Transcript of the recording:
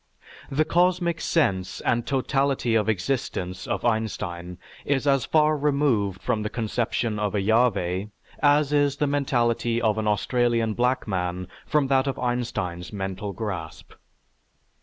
The "cosmic sense" and "totality of existence" of Einstein is as far removed from the conception of a Yahveh as is the mentality of an Australian black man from that of Einstein's mental grasp.